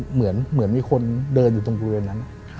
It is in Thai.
เหมือนมีคนเดินอยู่ตรงบริเวณนั้น